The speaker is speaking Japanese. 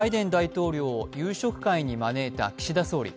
昨日、来日中のバイデン大統領を夕食会に招いた岸田総理。